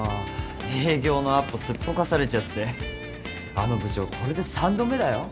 営業のアポすっぽかされちゃってあの部長これで３度目だよ。